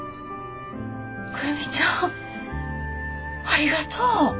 久留美ちゃんありがとう。